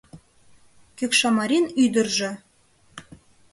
Кӧкшамарин ӱдыржӧ